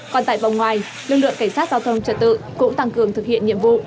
còn tại vòng ngoài lực lượng cảnh sát giao thông trật tự cũng tăng cường thực hiện nhiệm vụ